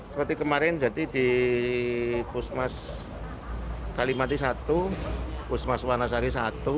seperti kemarin jadi di pusmas kalimantan i pusmas wanasari i